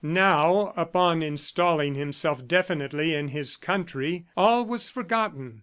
Now, upon installing himself definitely in his country, all was forgotten.